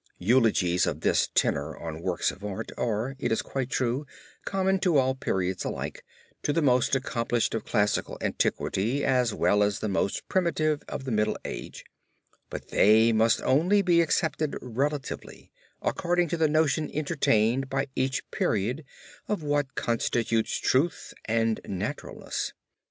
Eulogies of this tenor on works of art are, it is quite true, common to all periods alike, to the most accomplished of classical antiquity as well as to the most primitive of the Middle Age; and they must only be accepted relatively, according to the notion entertained by each period of what constitutes truth and naturalness.